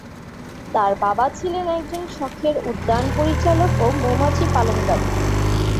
তাঁর বাবা ছিলেন একজন শখের উদ্যান-পরিচারক ও মৌমাছি পালনকারী।